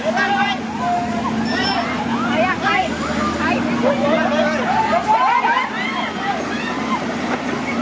สวัสดีสวัสดีสวัสดี